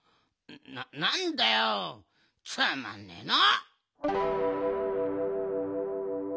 なんだよつまんねえな。